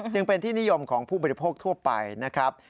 จึงเป็นที่นิยมของผู้บริโภคทั่วไปนะครับ